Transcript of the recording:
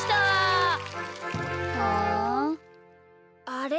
あれ？